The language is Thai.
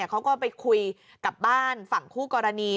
เขาก็ไปคุยกับบ้านฝั่งคู่กรณี